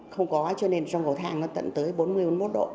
không có cho nên trong cầu thang nó tận tới bốn mươi bốn mươi một độ